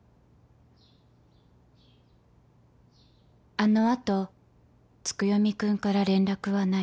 あのあと月読くんから連絡はない